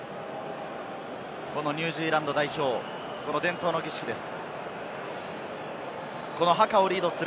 ニュージーランド代表、伝統の儀式です。